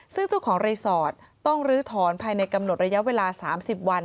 ซึ่งเจ้าของรีสอร์ทต้องลื้อถอนภายในกำหนดระยะเวลา๓๐วัน